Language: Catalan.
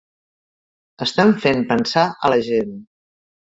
Estem fent pensar a la gent.